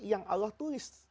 yang allah tulis